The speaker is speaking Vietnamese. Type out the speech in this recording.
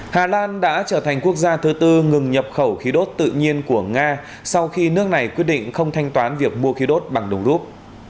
hà lan đã trở thành quốc gia thứ tư ngừng nhập khẩu khí đốt tự nhiên của nga sau khi nước này quyết định không thanh toán việc mua khí đốt bằng đồng rút